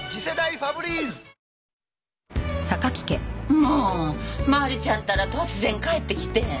もうマリちゃんったら突然帰ってきて。